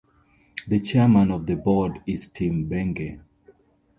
The Chairman of the board is Tim Benge.